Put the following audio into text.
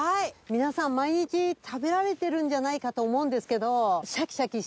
皆さん毎日食べられてるんじゃないかと思うんですけど。